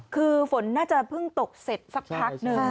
คือฝนน่าจะเพิ่งตกเสร็จสักพักหนึ่ง